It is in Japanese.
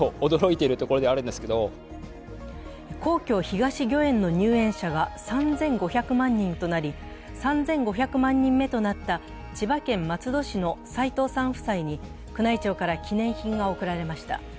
皇居東御苑の入園者が３５００万人となり、３５００万人目となった千葉県松戸市の斉藤さん夫妻に宮内庁から記念品が贈られました。